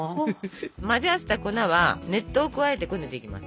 混ぜ合わせた粉は熱湯を加えてこねていきます。